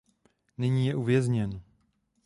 Nyní je uvězněn.